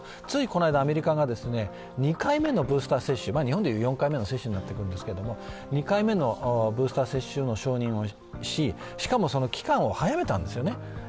ついこの間、アメリカが２回目のブースター接種、日本で言う４回目の接種になってくるんですけど、２回目のブースター接種の承認をししかも期間を早めたんですよね。